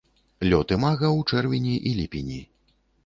Лёт імага ў чэрвені і ліпені.